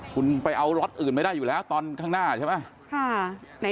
คุณไปเอาล็อตอื่นไม่ได้อยู่แล้วตอนข้างหน้าใช่ไหม